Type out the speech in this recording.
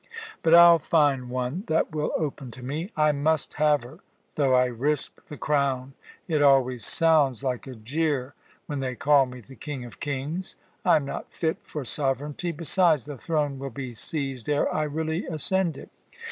But I'll find one that will open to me. I must have her, though I risk the crown. It always sounds like a jeer when they call me the King of kings. I am not fit for sovereignty. Besides, the throne will be seized ere I really ascend it.